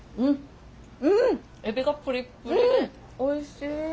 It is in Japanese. エビがプリップリでおいしい。